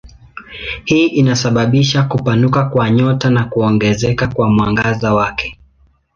Hii inasababisha kupanuka kwa nyota na kuongezeka kwa mwangaza wake.